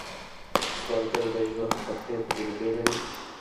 سوالګر د ژوند ترخې تجربې لري